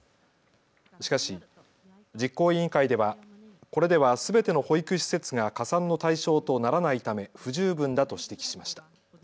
しかし、実行委員会ではこれではすべての保育施設が加算の対象とならないため不十分だと指摘しました。